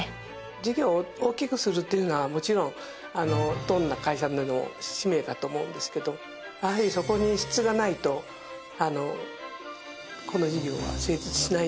事業を大きくするっていうのはもちろんどんな会社でも使命だと思うんですけどやはりそこに質がないとこの事業は成立しないですね。